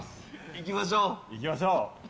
行きましょう！